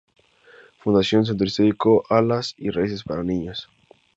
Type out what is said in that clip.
Fundación Centro Histórico; Alas y Raíces para Niños.